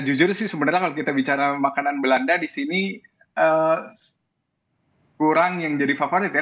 jujur sih sebenarnya kalau kita bicara makanan belanda di sini kurang yang jadi favorit ya